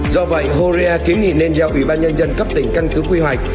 do vậy horea kiếm nghị nên giao ủy ban nhân dân cấp tỉnh căn cứ quy hoạch